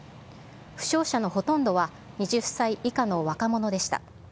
負傷者のほとんどは２０歳以下の若者でした。